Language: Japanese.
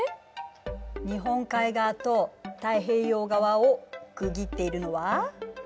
日本海側と太平洋側を区切っているのは？